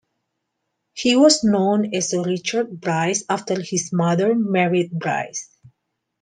He was known as Richard Bryce after his mother married Bryce.